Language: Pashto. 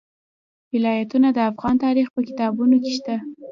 ولایتونه د افغان تاریخ په کتابونو کې شته.